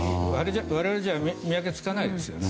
我々じゃ見分けつかないですよ。